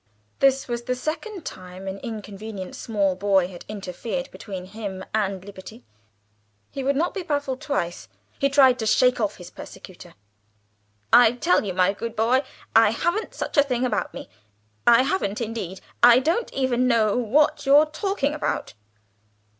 This was the second time an inconvenient small boy had interfered between him and liberty. He would not be baffled twice. He tried to shake off his persecutor. "I tell you, my good boy, I haven't such a thing about me. I haven't indeed. I don't even know what you're talking about."